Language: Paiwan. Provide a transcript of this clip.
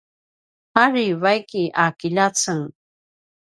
ari vaiki a kiljaceng